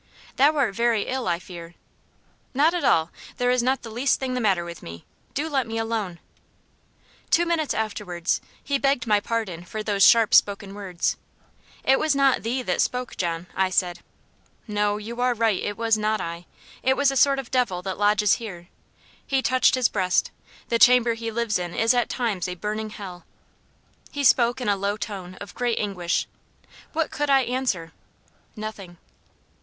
"Thou art very ill, I fear?" "Not at all. There is not the least thing the matter with me. Do let me alone." Two minutes afterwards he begged my pardon for those sharp spoken words. "It was not THEE that spoke, John," I said. "No, you are right, it was not I. It was a sort of devil that lodges here:" he touched his breast. "The chamber he lives in is at times a burning hell." He spoke in a low tone of great anguish. What could I answer? Nothing.